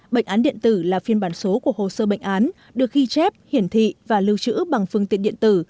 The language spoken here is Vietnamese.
bệnh án được ghi chép hiển thị và lưu trữ bằng phương tiện điện tử